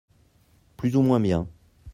Plus ou moins bien.